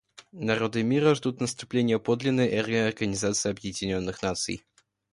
Народы мира ждут наступления подлинной эры Организации Объединенных Наций.